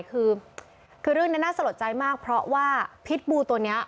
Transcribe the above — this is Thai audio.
คือคือเรื่องนี้น่าสะลดใจมากเพราะว่าพิษบูตัวนี้